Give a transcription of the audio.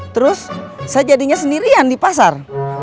terus saya jadinya sendirian di pasar